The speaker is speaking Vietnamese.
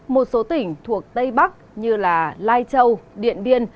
một số tỉnh thuộc tây bắc như lai châu điện biên